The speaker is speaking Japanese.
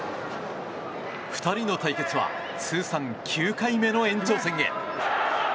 ２人の対決は通算９回目の延長戦へ。